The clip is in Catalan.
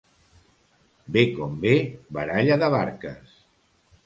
Ve com ve, baralla de barques.